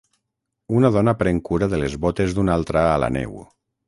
Una dona pren cura de les botes d'una altra a la neu.